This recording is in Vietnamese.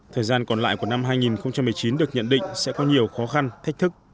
thời gian còn lại của năm hai nghìn một mươi chín được nhận định sẽ có nhiều khó khăn thách thức